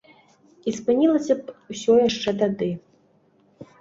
І спынілася б усё яшчэ тады.